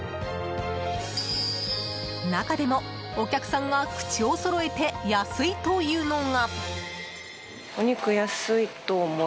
中でもお客さんが口をそろえて安いと言うのが。